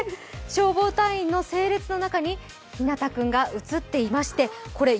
消防隊員の整列の中にひなた君が写っていましてこれ、